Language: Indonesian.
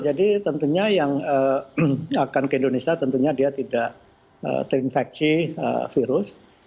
jadi tentunya yang akan ke indonesia tentunya dia tidak terinfeksi virus